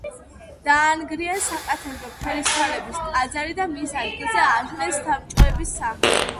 დაანგრიეს საკათედრო ფერისცვალების ტაძარი და მის ადგილზე ააშენეს საბჭოების სახლი.